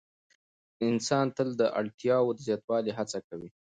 انسان تل د اړتیاوو د زیاتوالي هڅه کوي.